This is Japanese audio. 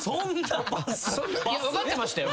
分かってましたよ